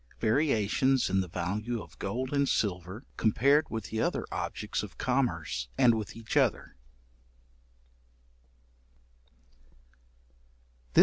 Variations in the value of gold and silver, compared with the other objects of commerce, and with each other.